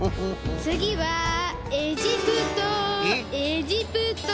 つぎはエジプトエジプト。